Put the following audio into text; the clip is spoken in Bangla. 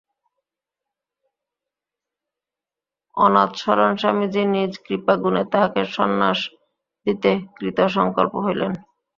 অনাথশরণ স্বামীজী নিজ কৃপাগুণে তাহাকে সন্ন্যাস দিতে কৃতসঙ্কল্প হইলেন।